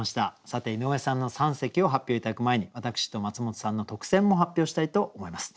さて井上さんの三席を発表頂く前に私とマツモトさんの特選も発表したいと思います。